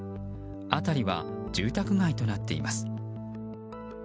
辺りは住宅街となっています。